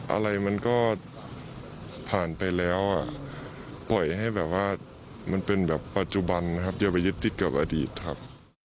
อะไรมันก็ผ่านไปแล้วปล่อยให้แบบว่ามันเป็นแบบปัจจุบันนะครับอย่าไปยึดติดกับอดีตครับ